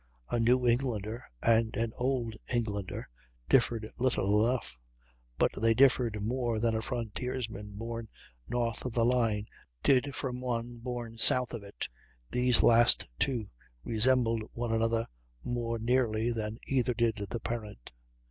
A New Englander and an Old Englander differed little enough, but they differed more than a frontiersman born north of the line did from one born south of it. These last two resembled one another more nearly than either did the parent.